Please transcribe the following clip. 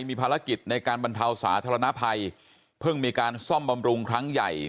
มีภารกิจในการบรรเทาสาธารณภัยเพิ่งมีการซ่อมบำรุงครั้งใหญ่